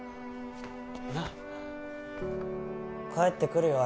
なっ帰ってくるよ